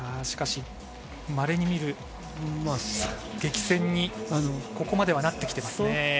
しかし、まれに見る激戦にここまではなってきていますね。